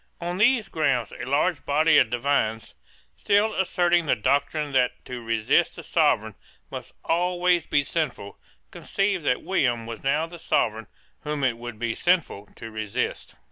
On these grounds a large body of divines, still asserting the doctrine that to resist the Sovereign must always be sinful, conceived that William was now the Sovereign whom it would be sinful to resist.